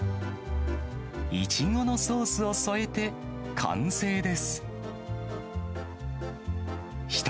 イチゴのソースを添えて、完成です。